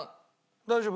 大丈夫？